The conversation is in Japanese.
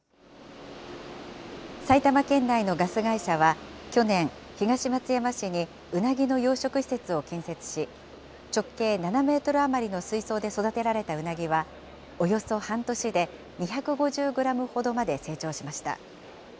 埼玉県内のガス会社は、去年、東松山市にうなぎの養殖施設を建設し、直径７メートル余りの水槽で育てられたうなぎは、およそ半年で２５０グラムほどまで成長しました。